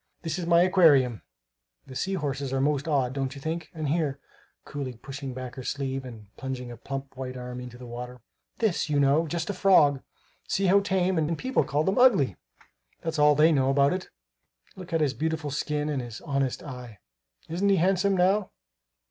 This is my aquarium; the sea horses are most odd, don't you think? And here," coolly pushing back her sleeve and plunging a plump, white arm into the water, "this, you know just a frog! See how tame! And people call them ugly! That's all they know about it. Look at his beautiful skin and his honest eye! Isn't he handsome, now?